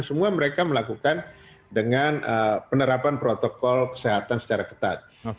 semua mereka melakukan dengan penerapan protokol kesehatan secara ketat